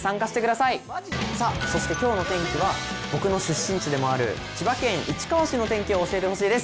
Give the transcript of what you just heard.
さあ、そしてきょうの天気は、僕の出身地でもある千葉県市川市の天気を教えてほしいです。